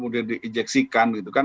di injeksikan gitu kan